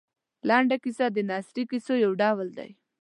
لنډه کیسه د نثري کیسو یو ډول دی.